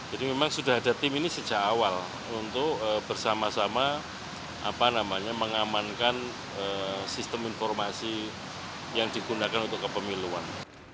jadi memang sudah ada tim ini sejak awal untuk bersama sama mengamankan sistem informasi yang digunakan untuk kepemiluan